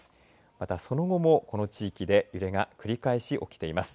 またその後もこの地域で揺れが繰り返し起きています。